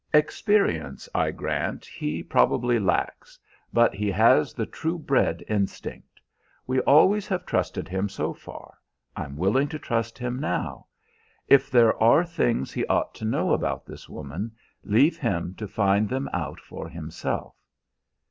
Experience, I grant, he probably lacks; but he has the true bred instinct. We always have trusted him so far; I'm willing to trust him now. If there are things he ought to know about this woman, leave him to find them out for himself."